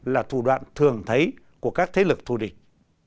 là thủ đoạn thường thấy của các thế lực thù địch